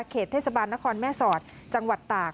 เขตเทศบาลนครแม่สอดจังหวัดตาก